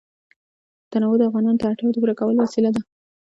تنوع د افغانانو د اړتیاوو د پوره کولو وسیله ده.